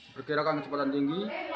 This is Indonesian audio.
berkirakan kecepatan tinggi